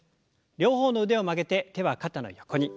両方の腕を曲げて手は肩の横に。